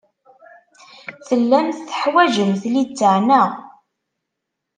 Tellamt teḥwajemt littseɛ, naɣ?